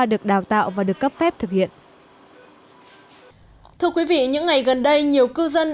được đào tạo và được cấp phép thực hiện thưa quý vị những ngày gần đây nhiều cư dân